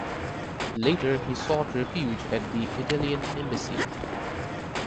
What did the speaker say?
Later he sought refuge at the Italian embassy.